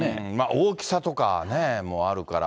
大きさとかもあるから。